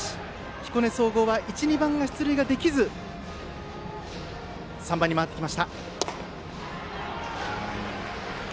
彦根総合は１、２番が出塁できず３番に回ってきました。